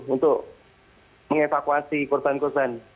untuk evakuasi korban korban